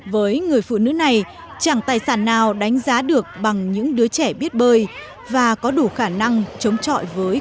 với người phụ nữ này chẳng tài sản nào đánh giá được bằng những đứa trẻ biết bơi và có đủ khả năng chống chọi với